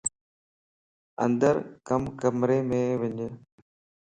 اندر ڪمريءَ مَ وڃ